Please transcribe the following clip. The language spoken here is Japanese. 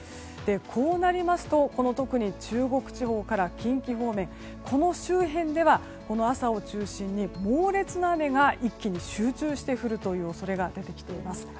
こうなりますと特に中国地方から近畿方面この周辺では朝を中心に猛烈な雨が一気に集中して降る恐れが出てきています。